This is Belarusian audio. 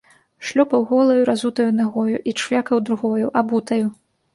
Шлёпаў голаю, разутаю нагою і чвякаў другою, абутаю.